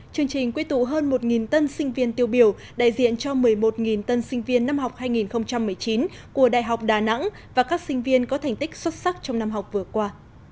chương trình quy tụ hơn một tân sinh viên tiêu biểu đại diện cho một mươi một tân sinh viên năm học hai nghìn một mươi chín của đại học đà nẵng và các sinh viên có thành tích xuất sắc trong năm học vừa qua